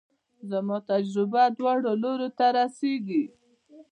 زما تجربه دواړو لورو ته رسېږي.